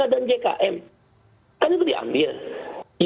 iuran jaminan kecelakaan kerja diambil sebagian dananya